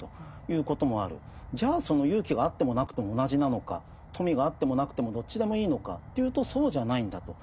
じゃあその勇気があってもなくても同じなのか富があってもなくてもどっちでもいいのかというとそうじゃないんだと。